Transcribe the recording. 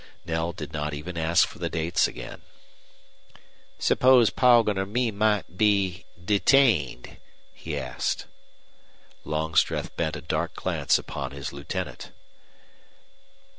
Knell did not even ask for the dates again. "Suppose Poggin or me might be detained?" he asked. Longstreth bent a dark glance upon his lieutenant.